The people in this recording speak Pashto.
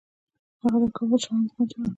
هغه د کابل شاهانو ته ماتې ورکړه